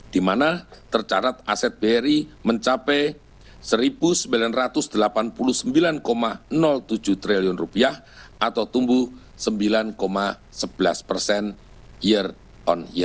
di mana tercarat aset bri mencapai rp satu sembilan ratus delapan puluh sembilan tujuh triliun rupiah atau tumbuh sembilan sebelas persen year on year